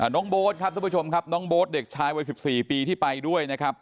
น้องโบ๊ทครับทุกผู้ชมครับน้องโบ๊ทเด็กชายวัย๑๔ปีที่ไปด้วยนะครับ